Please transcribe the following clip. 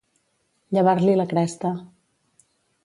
Llevar-li la cresta.